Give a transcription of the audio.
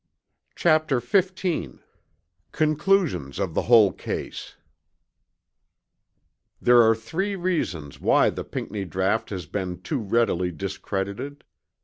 CHAPTER XV CONCLUSIONS ON THE WHOLE CASE There are three reasons why the Pinckney Draught has been too readily discredited.